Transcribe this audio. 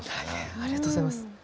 ありがとうございます。